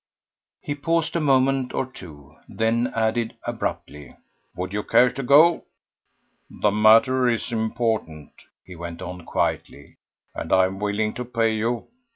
He paused for a moment or two, then added abruptly: "Would you care to go? The matter is important," he went on quietly, "and I am willing to pay you.